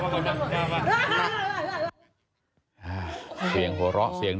ไอ้แม่ได้เอาแม่ดูนะ